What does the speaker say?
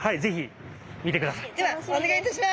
ではお願いいたします！